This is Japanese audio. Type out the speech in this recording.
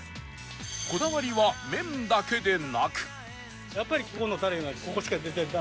こだわりは麺だけでなく